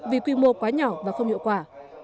vì quy mô quá nhỏ và không hiệu quả